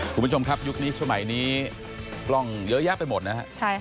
คุณผู้ชมครับยุคนี้สมัยนี้กล้องเยอะแยะไปหมดนะฮะ